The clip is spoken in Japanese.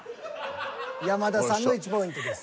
山田さんの１ポイントです。